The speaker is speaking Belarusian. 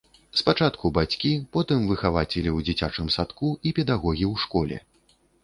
Спачатку бацькі, потым выхавацелі ў дзіцячым садку і педагогі ў школе.